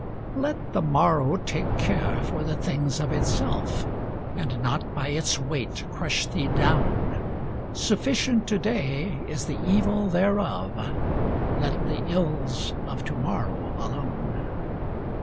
Let the morrow take care for the things of itself, And not by its weight crush thee down; Sufficient to day is the evil thereof, Let the ills of to morrow alone.